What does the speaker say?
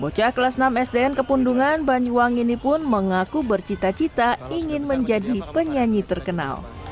bocah kelas enam sdn kepundungan banyuwangi ini pun mengaku bercita cita ingin menjadi penyanyi terkenal